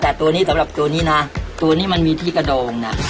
แต่ตัวนี้สำหรับตัวนี้นะตัวนี้มันมีที่กระดองนะ